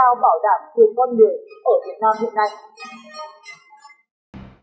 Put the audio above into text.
ở việt nam